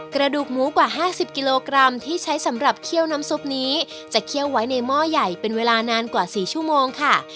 กระดูกหมูกว่า๕๐กิโลกรัมที่ใช้สำหรับเคี่ยวน้ำซุปนี้จะเคี่ยวไว้ในหม้อใหญ่เป็นเวลานานกว่า๔ชั่วโมงค่ะ